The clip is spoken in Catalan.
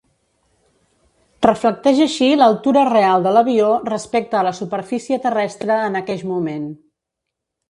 Reflecteix així l'altura real de l'avió respecte a la superfície terrestre en aqueix moment.